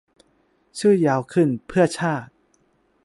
ชื่อยาวขึ้น เพื่อชาติ !